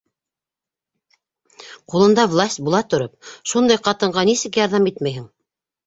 Ҡулында власть була тороп, шундай ҡатынға нисек ярҙам итмәйһең?